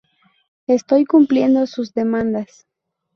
Estoy cumpliendo sus demandas".